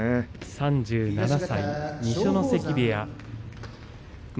３７歳、二所ノ関部屋。